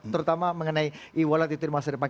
terutama mengenai e wallet itu di masa depan